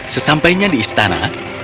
sesampainya di istana